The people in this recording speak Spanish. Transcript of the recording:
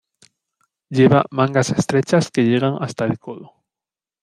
Lleva mangas estrechas que llegan hasta el codo.